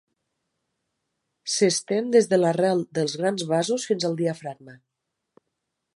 S'estén des de l'arrel dels grans vasos fins al diafragma.